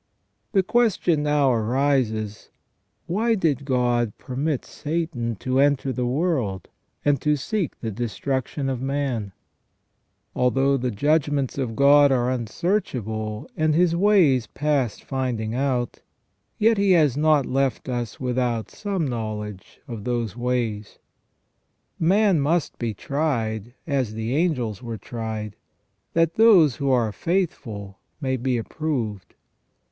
The question now arises : Why did God permit Satan to enter the world, and to seek the destruction of man ? Although the judgments of God are unsearchable, and His ways past finding out, yet He has not left us without some knowledge of those ways. Man must be tried, as the angels were tried, that those who are faithful may be approved.